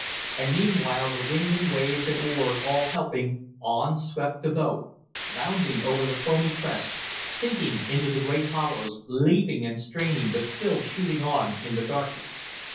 And meanwhile the wind and waves and oars all helping, on swept the boat bounding over the foamy crests, sinking into the great hollows, leaping and straining, but still shooting on in the darkness.